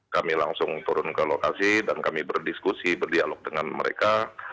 kami langsung turun ke lokasi dan kami berdiskusi berdialog dengan mereka